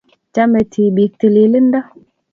Chame tibiik tililindo